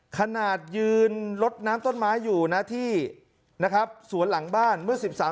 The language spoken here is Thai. ขนาดยืนลดน้ำต้นไม้อยู่นะที่นะครับสวนหลังบ้านเมื่อสิบสาม